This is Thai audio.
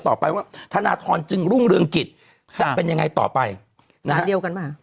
ต่อไปว่าธนทรจึงรุ่งเรืองกิจจะเป็นยังไงต่อไปนะฮะเดียวกันป่ะ